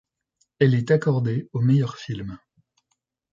Elle est accordée au meilleur film.